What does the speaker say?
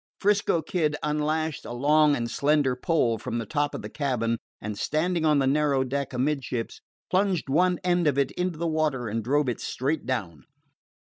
'Frisco Kid unlashed a long and slender pole from the top of the cabin, and, standing on the narrow deck amidships, plunged one end of it into the water and drove it straight down.